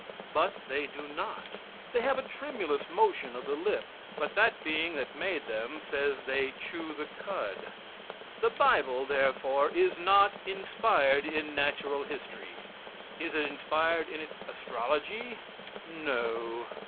But they do not. They have a tremulous motion of the lip. But the Being that made them says they chew the cud. The Bible, therefore, is not inspired in natural history. Is it inspired in its astrology? No.